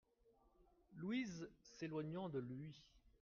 LOUISE, s'éloignant de lui.